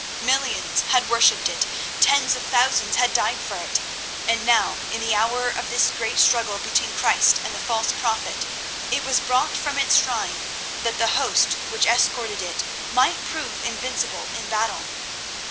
Millions had worshipped it, tens of thousands had died for it, and now, in the hour of this great struggle between Christ and the false prophet it was brought from its shrine that the host which escorted it might prove invincible in battle.